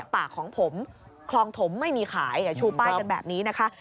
ปากของผมคลองถมไม่มีขายอย่าชูป้ายกันแบบนี้นะคะ